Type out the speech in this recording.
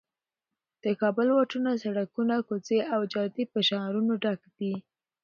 د کابل واټونه، سړکونه، کوڅې او جادې په شعارونو ډک دي.